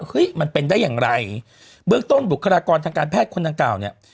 เฮ้ยมันเป็นได้อย่างไรเบื้องต้นบุคลากรทางการแพทย์คนดังกล่าวเนี่ย